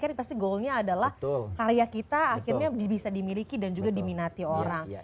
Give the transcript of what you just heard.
kan pasti goalnya adalah karya kita akhirnya bisa dimiliki dan juga diminati orang